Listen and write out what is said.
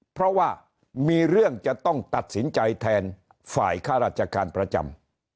เพราะว่ามีเรื่องจะต้องตัดสินใจแทนฝ่ายค่าราชการประจำ